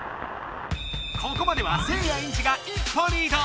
ここまではせいやエンジが一歩リード！